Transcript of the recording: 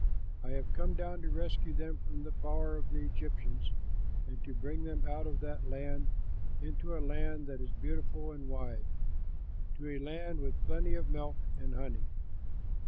I have come down to rescue them from the power of the Egyptians and to bring them out of that land into a land that is beautiful and wide, to a land with plenty of milk and honey.